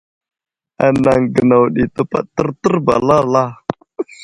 Anaŋ gənaw ɗi təpaɗ tərtər ba alala.